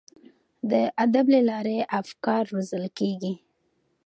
د ادب له لارې افکار روزل کیږي.